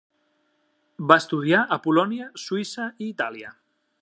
Va estudiar a Polònia, Suïssa i Itàlia.